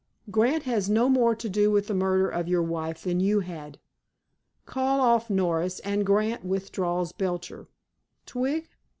Grant had no more to do with the murder of your wife than you had. Call off Norris, and Grant withdraws Belcher. Twig?